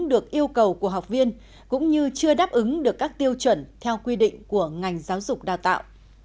được yêu cầu của học viên cũng như chưa đáp ứng được các tiêu chuẩn theo quy định của ngành giáo dục đào tạo